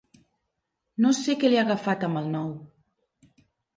No sé què li ha agafat amb el nou.